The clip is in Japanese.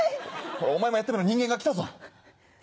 ほらお前もやってみろ人間が来たぞ。